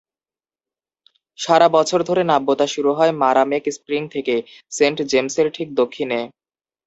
সারা বছর ধরে নাব্যতা শুরু হয় মারামেক স্প্রিং থেকে, সেন্ট জেমসের ঠিক দক্ষিণে।